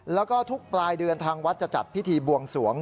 แล้วก็ทุกปลายเดือนทางวัดจะจัดพิธีบวงสวง